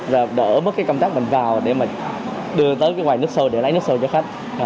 rồi đỡ mất cái công tác mình vào để mình đưa tới cái quầy nước sôi để lấy nước sôi cho khách